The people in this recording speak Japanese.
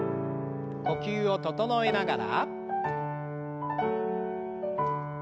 呼吸を整えながら。